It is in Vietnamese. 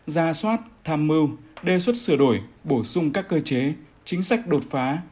ra soát tham mưu đề xuất sửa đổi bổ sung các cơ chế chính sách đột phá